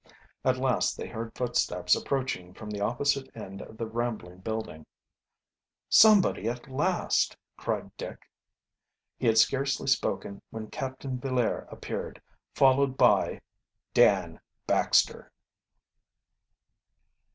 At last they heard footsteps approaching from the opposite end of the rambling building. "Somebody at last!" cried Dick. He had scarcely spoken when Captain Villaire appeared, followed by Dan Baxter!